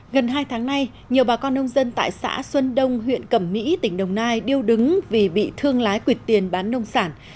gần hai tháng nay nhiều bà con nông dân tại xã xuân đông huyện cẩm mỹ tỉnh đồng nai điêu đứng vì bị thương lái quyệt tiền bán nông sản